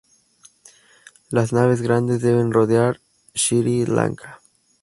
Las naves grandes deben rodear Sri Lanka.